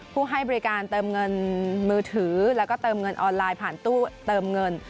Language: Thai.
ให้บริการเติมเงินมือถือแล้วก็เติมเงินออนไลน์ผ่านตู้เติมเงิน